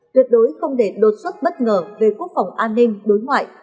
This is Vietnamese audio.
tuyệt đối không để đột xuất bất ngờ về quốc phòng an ninh đối ngoại